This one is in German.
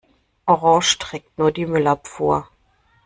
Orange trägt nur die Müllabfuhr.